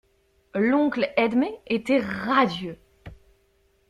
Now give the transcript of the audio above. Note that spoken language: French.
L'oncle Edme était radieux.